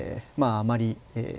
あまり。